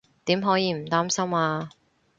點可以唔擔心啊